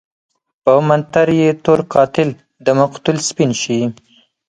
په منتر يې تور قاتل دمقتل سپين شي